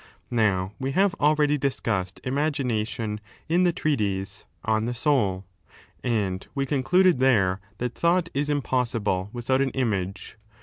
Now we have already discussed imagin s alion in the treatise On the Soul^ and we concluded there that thought is impossible without an image.